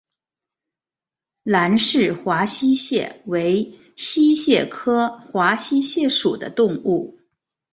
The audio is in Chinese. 兰氏华溪蟹为溪蟹科华溪蟹属的动物。